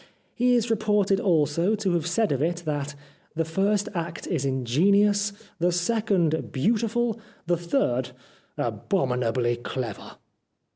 He is reported also to have said of it that " the first act is ingenious, the second beautiful, the third abominably clever."